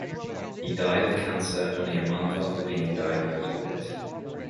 He died of cancer only a month after being diagnosed with it.